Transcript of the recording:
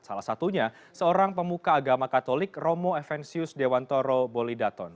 salah satunya seorang pemuka agama katolik romo evensius dewantoro bolidaton